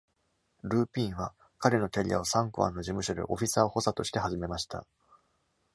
ルー.ピィンは彼のキャリアをサンクアンの事務所でオフィサー補佐として始めました。